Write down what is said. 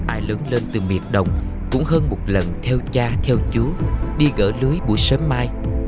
ai lớn lên từ miền đồng cũng hơn một lần theo cha theo chú đi gỡ lưới buổi sớm mai